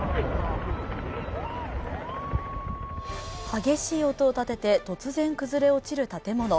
激しい音を立てて突然崩れ落ちる建物。